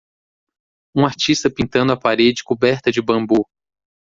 Um artista pintando a parede coberta de bambu.